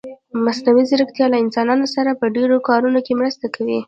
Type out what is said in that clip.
مصنوعي ځيرکتيا له انسانانو سره په ډېرو کارونه کې مرسته کوي.